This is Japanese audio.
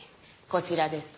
こちらです。